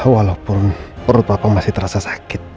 walaupun perut bapak masih terasa sakit